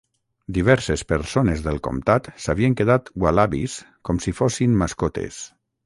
Diverses persones del comtat s'havien quedat ualabis com si fossin mascotes.